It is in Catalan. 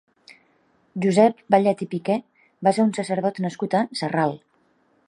Josep Vallet i Piquer va ser un sacerdot nascut a Sarral.